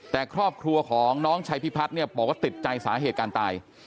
แต่ครอบครัวของน้องชัยพิพัฒน์เนี่ยบอกว่าติดใจสาเหตุการตาย